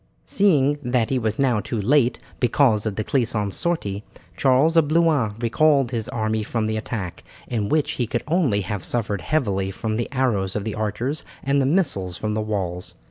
Seeing that he was now too late, because of De Clisson's sortie, Charles of Blois recalled his army from the attack, in which he could only have suffered heavily from the arrows of the archers and the missiles from the walls.